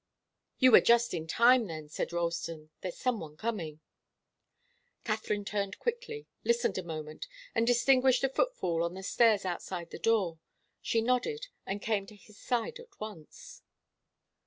"You were just in time, then," said Ralston. "There's some one coming." Katharine turned quickly, listened a moment, and distinguished a footfall on the stairs outside the door. She nodded, and came to his side at once.